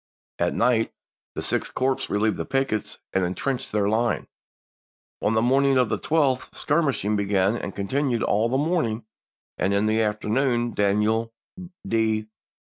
At night the Sixth Corps relieved the pickets and intrenched their line. On the morning juiy, 1864. of the 12th skirmishing began and continued all the morning, and in the afternoon Daniel D.